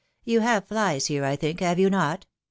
You have flies here, I think, have you not